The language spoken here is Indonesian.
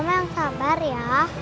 om yang sabar ya